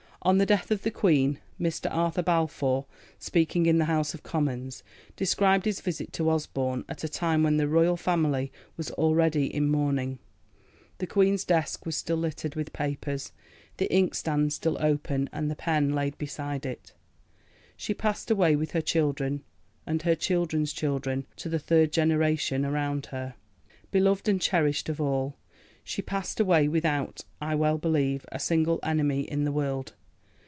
On the death of the Queen, Mr Arthur Balfour, speaking in the House of Commons, described his visit to Osborne at a time when the Royal Family was already in mourning. The Queen's desk was still littered with papers, the inkstand still open and the pen laid beside it. "She passed away with her children and her children's children to the third generation around her, beloved and cherished of all. She passed away without, I well believe, a single enemy in the world.